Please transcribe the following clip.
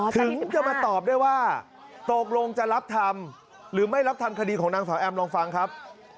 ถึงจะมาตอบได้ว่าตกลงจะรับทำหรือไม่รับทำคดีของนางสาวแอมลองฟังครับ